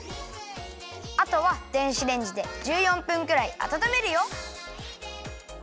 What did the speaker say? あとは電子レンジで１４分くらいあたためるよ！